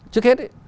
trước hết ấy